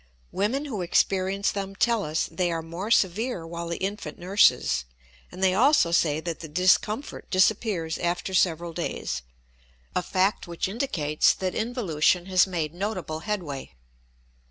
Women who experience them tell us they are more severe while the infant nurses; and they also say that the discomfort disappears after several days, a fact which indicates that involution has made notable headway.